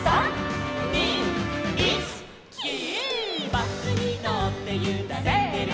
「バスにのってゆられてる」